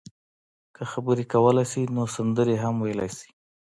که خبرې کولای شئ نو سندرې هم ویلای شئ.